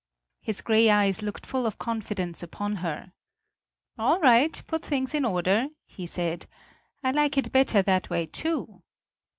His grey eyes looked full of confidence upon her. "All right, put things in order!" he said; "I like it better that way too."